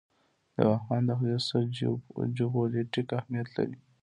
د واخان دهلیز څه جیوپولیټیک اهمیت لري؟